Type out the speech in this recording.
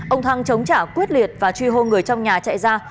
ông thăng chống trả quyết liệt và truy hô người trong nhà chạy ra